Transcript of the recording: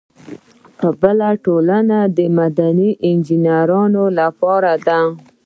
بله ټولنه د معدن انجینرانو لپاره ده.